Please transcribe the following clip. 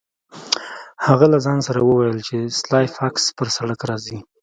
هغه له ځان سره وویل چې سلای فاکس پر سړک راځي